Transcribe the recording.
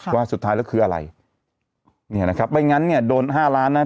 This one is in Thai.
ว่าสุดท้ายแล้วคืออะไรเนี่ยนะครับไม่งั้นเนี่ยโดนห้าล้านนะ